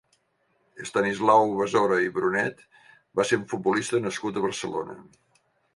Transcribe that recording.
Estanislau Basora i Brunet va ser un futbolista nascut a Barcelona.